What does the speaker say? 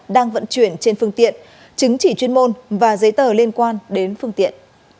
đang vận chuyển trên phương tiện chứng chỉ chuyên môn và giấy tờ liên quan đến phương tiện